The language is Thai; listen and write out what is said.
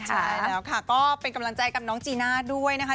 ใช่แล้วค่ะก็เป็นกำลังใจกับน้องจีน่าด้วยนะคะ